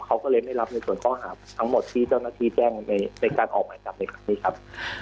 เขาก็เลยไม่รับในส่วนข้อหาทั้งหมดที่เจ้าหน้าที่แจ้งในการออกหมายจับในครั้งนี้ครับ